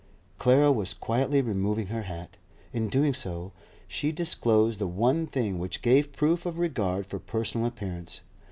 Clara was quietly removing her hat. In doing so, she disclosed the one thing which gave proof of regard for personal appearance.